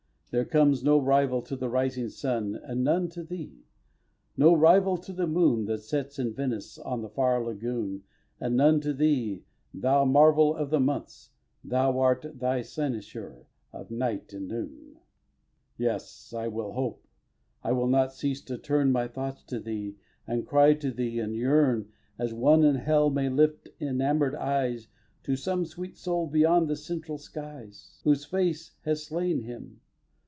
There comes no rival to the rising sun, And none to thee! no rival to the moon That sets in Venice on the far lagoon, And none to thee, thou marvel of the months, That art the cynosure of night and noon! xiv. Yes, I will hope. I will not cease to turn My thoughts to thee, and cry to thee, and yearn As one in Hell may lift enamour'd eyes To some sweet soul beyond the central skies Whose face has slain him!